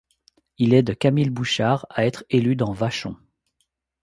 Il aide Camil Bouchard à être élu dans Vachon.